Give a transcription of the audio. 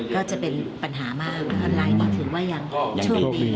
ก็จะเป็นปัญหามากออนไลน์ก็ถือว่ายังโชคดี